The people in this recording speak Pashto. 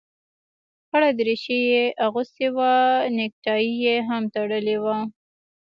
خړه دريشي يې اغوستې وه نيكټايي يې هم تړلې وه.